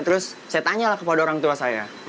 terus saya tanyalah kepada orang tua saya